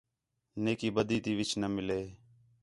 نیکی، بدی تی وِچ نہ مِلے